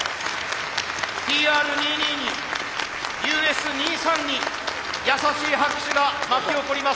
ＴＲ２２にＵＳ２３．に優しい拍手が巻き起こります。